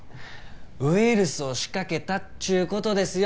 ウイルスを仕掛けたっちゅうことですよ！